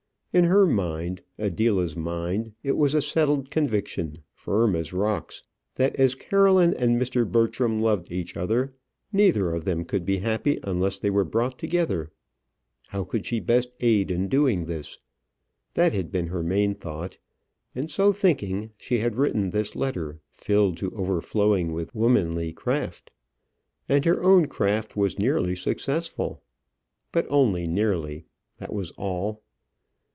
In her mind Adela's mind it was a settled conviction, firm as rocks, that as Caroline and Mr. Bertram loved each other, neither of them could be happy unless they were brought together. How could she best aid in doing this? That had been her main thought, and so thinking, she had written this letter, filled to overflowing with womanly craft. And her craft was nearly successful; but only nearly; that was all.